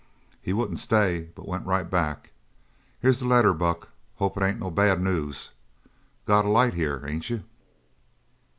He wouldn't stay, but went right back. Here's the letter, Buck. Hope it ain't no bad news. Got a light here, ain't you?"